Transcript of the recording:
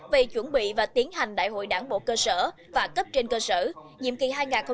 về chuẩn bị và tiến hành đại hội đảng bộ cơ sở và cấp trên cơ sở nhiệm kỳ hai nghìn hai mươi hai nghìn hai mươi năm